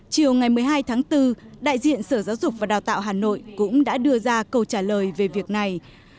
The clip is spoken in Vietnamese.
chiều ngày một mươi hai tháng bốn đại diện sở giáo dục và đào tạo hà nội cũng đã đưa ra câu trả lời về việc này